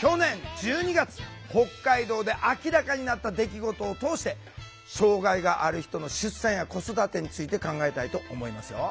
去年１２月北海道で明らかになった出来事を通して障害がある人の出産や子育てについて考えたいと思いますよ。